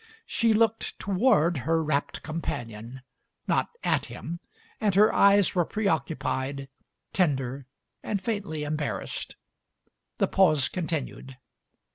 She looked toward her rapt companion, not at him, and her eyes were preoccupied, tender, and faintly embarrassed. The pause continued.